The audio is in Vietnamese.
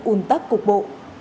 ung tắc cục bộ